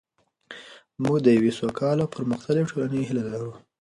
موږ د یوې سوکاله او پرمختللې ټولنې هیله لرو.